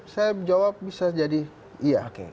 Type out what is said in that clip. saya jawab bisa jadi iya